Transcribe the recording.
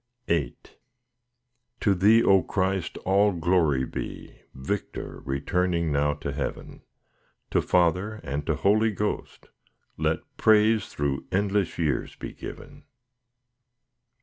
VIII To Thee, O Christ, all glory be, Victor returning now to heaven; To Father, and to Holy Ghost, Let praise through endless years be given.